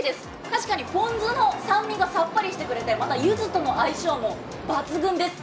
確かに、ポン酢の酸味がさっぱりしてくれて、またゆずとの相性も抜群です。